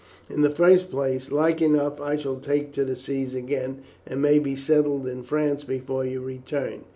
In the first place, like enough I shall take to the sea again, and may be settled in France before you return.